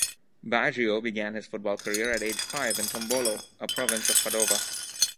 Baggio began his football career at age five in Tombolo, a province of Padova.